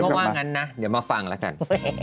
เพราะว่างั้นนะเดี๋ยวมาฟังแล้วกัน